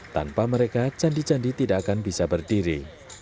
tanpa mereka candi candi tidak akan bisa berdiri